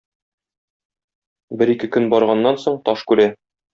Бер-ике көн барганнан соң, таш күрә.